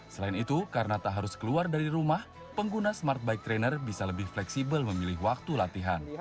selain itu karena tak harus keluar dari rumah pengguna smart bike trainer bisa lebih fleksibel memilih waktu latihan